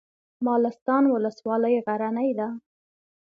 مالستان ولسوالۍ غرنۍ ده؟